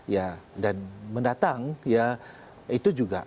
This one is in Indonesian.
ya dan mendatang ya itu juga